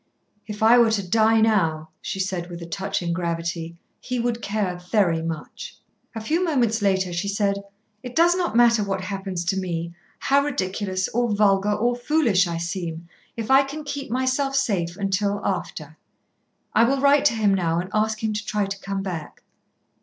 "If I were to die now," she said with a touching gravity, "he would care very much." A few moments later she said, "It does not matter what happens to me, how ridiculous or vulgar or foolish I seem, if I can keep myself safe until after. I will write to him now and ask him to try to come back."